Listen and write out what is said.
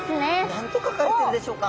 何と書かれてるんでしょうか？